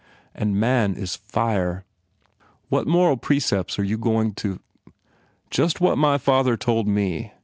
And man is fire. What moral precepts are you going to " 98 PENALTIES u just what my father told me.